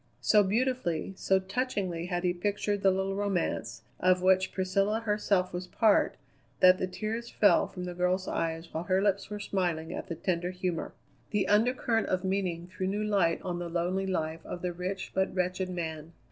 So beautifully, so touchingly, had he pictured the little romance, of which Priscilla herself was part, that the tears fell from the girl's eyes while her lips were smiling at the tender humour. The undercurrent of meaning threw new light on the lonely life of the rich, but wretched man.